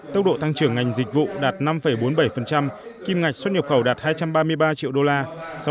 tốc độ tăng trưởng ngành dịch vụ đạt năm bốn mươi bảy kim ngạch xuất nhập khẩu đạt hai trăm ba mươi ba triệu đô la